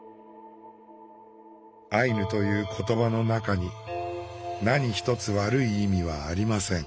アイヌという言葉の中に何一つ悪い意味はありません。